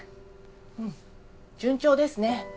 うん順調ですね。